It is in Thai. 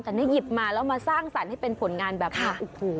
แต่นี่หยิบมาแล้วมาสร้างสรรค์ให้เป็นผลงานแบบนี้โอ้โห